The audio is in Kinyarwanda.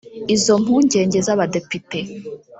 Izo mpungenge z’abadepite